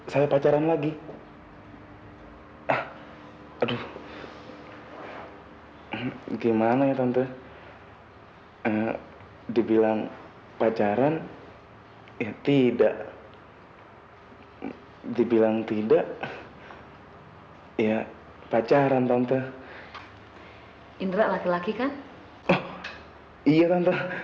sampai jumpa di video selanjutnya